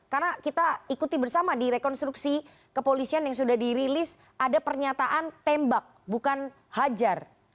karena kita ikuti bersama di rekonstruksi kepolisian yang sudah dirilis ada pernyataan tembak bukan hajar